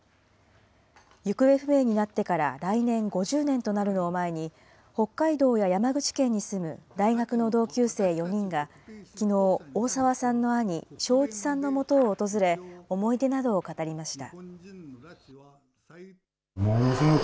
行方不明になってから来年、５０年となるのを前に、北海道や山口県に住む大学の同級生４人がきのう、大澤さんの兄、昭一さんのもとを訪れ、思い出などを語りました。